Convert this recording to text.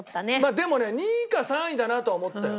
でもね２位か３位だなとは思ったよ。